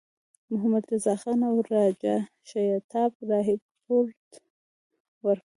محمدرضاخان او راجا شیتاب رای رپوټ ورکړ.